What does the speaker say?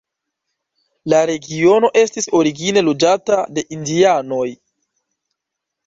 La regiono estis origine loĝata de indianoj.